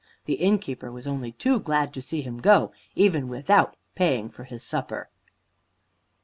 The innkeeper was only too glad to see him go, even without paying for his supper.